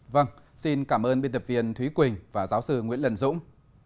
vâng xin cảm ơn biên tập viên thúy quỳnh và giáo sư nguyễn lân dũng